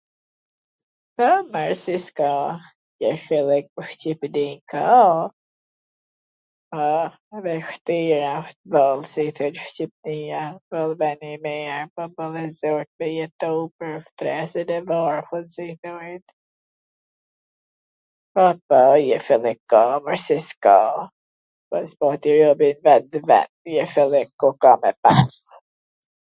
Po, mor, si s ka jeshillwk n Shqipni, ka! A, vwshtir asht si i thon krejt Shqipnia pwr me nenj e me jetu pwr shtreswn e varfwn si i thojn, po, po, jeshillwk ka mor, si s ka, po s pati robi n vend vet jeshillik, ku ka me pas?